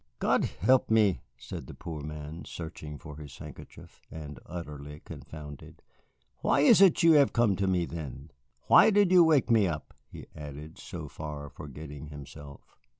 "God help me," said the poor man, searching for his handkerchief, and utterly confounded, "why is it you have come to me, then? Why did you wake me up?" he added, so far forgetting himself.